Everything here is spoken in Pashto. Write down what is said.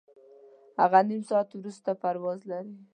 هغه نیم ساعت وروسته پرواز لري.